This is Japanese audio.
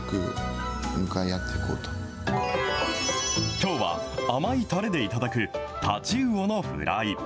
きょうは甘いたれで頂く太刀魚のフライ。